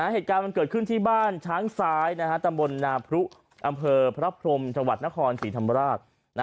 เหตุการณ์มันเกิดขึ้นที่บ้านช้างซ้ายตำบลนาพรุอำเภอพระพรมจังหวัดนครศรีธรรมราช